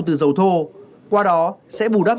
từ dầu thô qua đó sẽ bù đắp